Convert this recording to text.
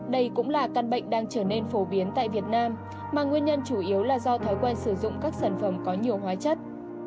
đây cũng là căn bệnh đang trở nên phổ biến tại việt nam mà nguyên nhân chủ yếu là do thói quen sử dụng các sản phẩm có nhiều hóa chất